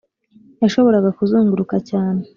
yashoboraga kuzunguruka cyane